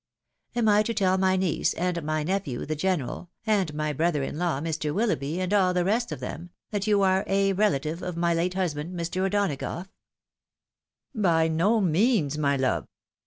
Am I to tell my niece, and my nephew the General, and my brother in law, Mr. WiUoughby, and all the rest of them, that you are a relative of my late husband, Mr. O'Donagough ?"" By no means, my love.